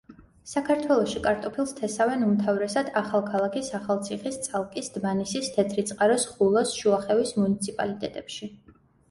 საქართველოში კარტოფილს თესავენ უმთავრესად ახალქალაქის, ახალციხის, წალკის, დმანისის, თეთრი წყაროს, ხულოს, შუახევის მუნიციპალიტეტებში.